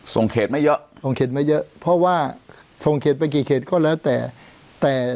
ส่งเขตไม่เยอะส่งเขตมาเยอะเพราะว่าส่งเขตไปกี่เขตก็แล้วแต่แต่